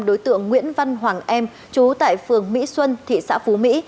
đối tượng nguyễn văn hoàng em trú tại phường mỹ xuân thị xã phú mỹ